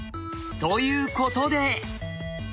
ということで。